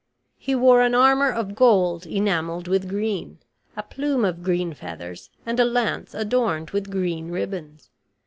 He wore an armor of gold enameled with green, a plume of green feathers, and a lance adorned with green ribbons.